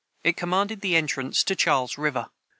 It commanded the entrance to Charles river.